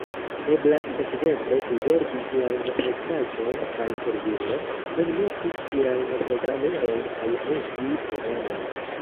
Eblas ekzemple prizorgi ĝiajn retpaĝon kaj servilon, enmeti ĝiajn programerojn kaj munti programojn.